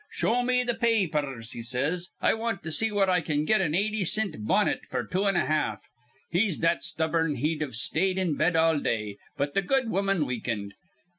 'Show me th' pa apers,' he says. 'I want to see where I can get an eighty cint bonnet f'r two and a half.' He's that stubborn he'd've stayed in bed all day, but th' good woman weakened.